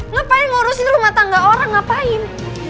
ngapain ngurusin rumah tangga orang ngapain